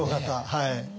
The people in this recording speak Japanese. はい。